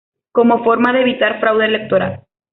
Como forma de evitar fraude electoral.